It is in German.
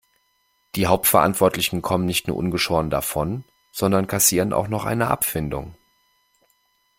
Die Hauptverantwortlichen kommen nicht nur ungeschoren davon, sondern kassieren auch noch eine Abfindung.